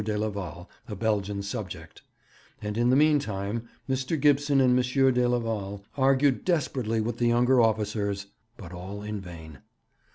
de Leval, a Belgian subject; and in the meantime Mr. Gibson and M. de Leval argued desperately with the younger officers but all in vain.